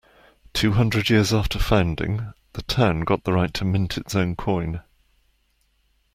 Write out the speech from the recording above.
Two hundred years after founding, the town got the right to mint its own coin.